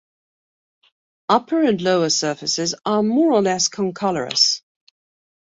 Upper and lower surfaces are more or less concolorous.